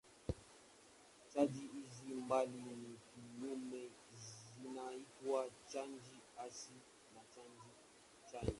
Chaji hizi mbili ni kinyume zinaitwa chaji hasi na chaji chanya.